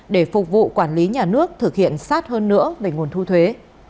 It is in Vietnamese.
để phục vụ quản lý nhà nước thực hiện sát hơn nữa về nguồn thu thuế